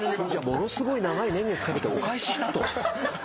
ものすごい長い年月かけてお返ししたと。